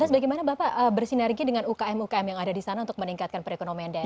bagaimana bapak bersinergi dengan ukm ukm yang ada di sana untuk meningkatkan perekonomian daerah